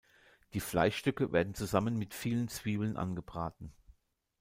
Die Fleischstücke werden zusammen mit vielen Zwiebeln angebraten.